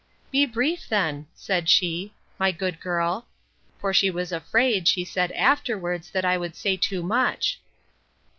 Be brief then, said she, my good girl: for she was afraid, she said afterwards, that I should say too much.